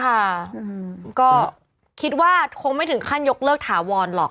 ค่ะก็คิดว่าคงไม่ถึงขั้นยกเลิกถาวรหรอก